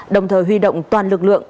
đồng thời huy động toàn lực lượng